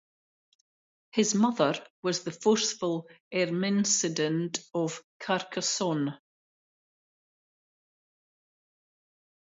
His mother was the forceful Ermesinde of Carcassonne.